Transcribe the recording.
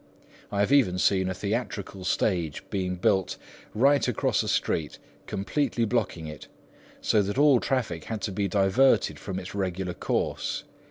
I have even seen a theatrical stage built right across a street, completely blocking it, so that all traffic had to be diverted from its regular course.